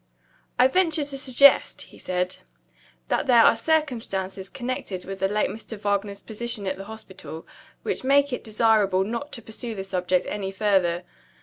"I venture to suggest," he said, "that there are circumstances connected with the late Mr. Wagner's position at the Hospital, which make it desirable not to pursue the subject any farther.